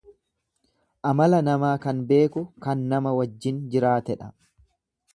Amala namaa kan beeku kan nama wajjin jiraatedha.